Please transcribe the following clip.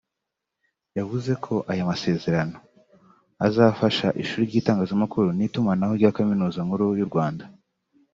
yavuze ko aya masezerano azafasha ishuri ry’itangazamakuru n’itumanaho rya Kaminuza Nkuru y’u Rwanda